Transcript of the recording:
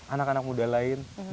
anak anak muda lain